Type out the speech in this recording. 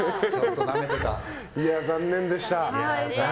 いや、残念でした。